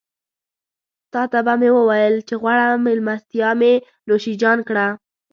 تاته به مې وويل چې غوړه مېلمستيا مې نوشيجان کړه.